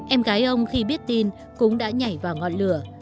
em gái ông khi biết tin cũng đã nhảy vào ngọn lửa